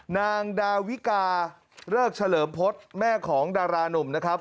นางดาวิกาเริกเฉลิมพฤษแม่ของดารานุ่มนะครับ